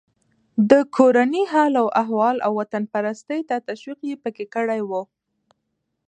د کورني حال و احوال او وطنپرستۍ ته تشویق یې پکې کړی و.